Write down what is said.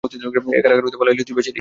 এ কারাগার হইতে পালাইলি– তুই বাঁচিলি।